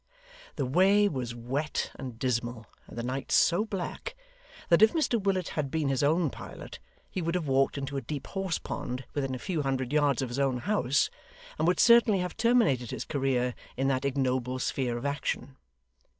The way was wet and dismal, and the night so black, that if Mr Willet had been his own pilot, he would have walked into a deep horsepond within a few hundred yards of his own house, and would certainly have terminated his career in that ignoble sphere of action.